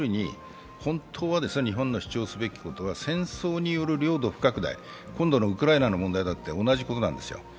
本当は、日本の主張すべきことは戦争による領土不拡大、今度のウクライナの問題だって同じことなんですよ。